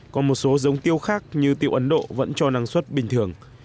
còn một số giống tiêu khác như tiêu ấn độ vẫn cho năng suất bình thường